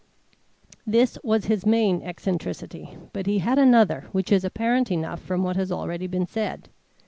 This was his main eccentricity, but he had another which is apparent enough from what has already been said.